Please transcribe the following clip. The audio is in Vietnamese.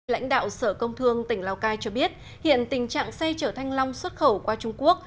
lãnh đạo sở công thương tỉnh lào cai cho biết hiện tình trạng xe chở thanh long xuất khẩu qua trung quốc